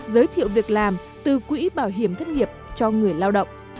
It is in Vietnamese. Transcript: giới thiệu việc làm từ quỹ bảo hiểm thất nghiệp cho người lao động